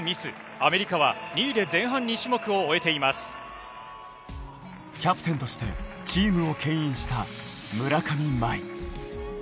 アメリカは２位で前半２種目を終キャプテンとして、チームをけん引した村上茉愛。